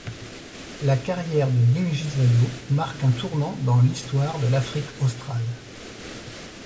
La carrière de Dingiswayo marque un tournant dans l'histoire de l'Afrique australe.